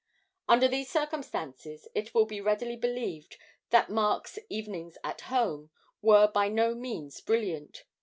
Under these circumstances it will be readily believed that Mark's 'Evenings at Home' were by no means brilliant.